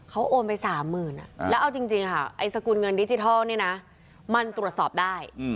เขาโอนไป๓๐๐๐แล้วเอาจริงค่ะไอ้สกุลเงินดิจิทัลเนี่ยนะมันตรวจสอบได้